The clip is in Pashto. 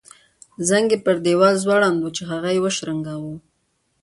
زنګ یې پر دیوال ځوړند وو چې هغه یې وشرنګاوه.